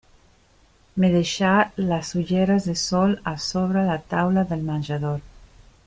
M'he deixat les ulleres de sol a sobre la taula del menjador.